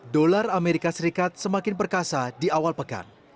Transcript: dolar amerika serikat semakin perkasa di awal pekan